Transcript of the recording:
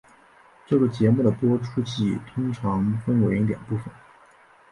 这个节目的播出季通常分为两部份。